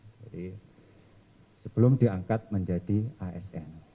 jadi sebelum diangkat menjadi asn